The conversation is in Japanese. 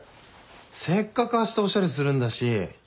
せっかくあしたおしゃれするんだし。